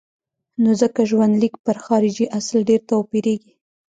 نو ځکه ژوندلیک پر خارجي اصل ډېر توپیرېږي.